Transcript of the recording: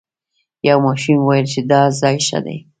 یو ماشوم وویل چې دا ځای ښه دی.